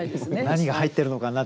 「何が入ってるのかな？」